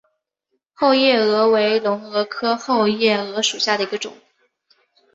后夜蛾为隆蛾科后夜蛾属下的一个种。